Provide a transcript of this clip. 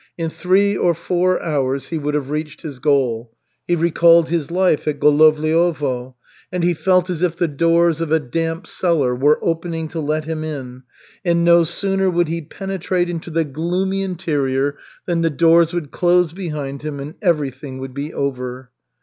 In three or four hours he would have reached his goal. He recalled his life at Golovliovo, and he felt as if the doors of a damp cellar were opening to let him in, and no sooner would he penetrate into the gloomy interior than the doors would close behind him and everything would be over.